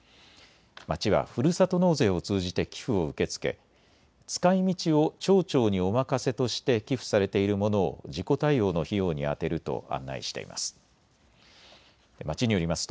町はふるさと納税を通じて寄付を受け付け、使いみちを町長におまかせとして寄付されているものを事故対応の費用に充てると案内しています。